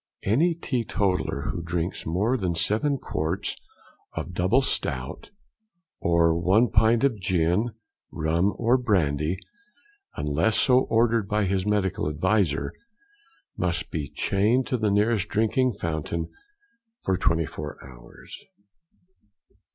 Any Teetotaler who drinks more than seven quarts of double stout, or one pint of gin, rum, or brandy, unless so ordered by his medical adviser, he must be chained to the nearest drinking fountain for twenty four hours.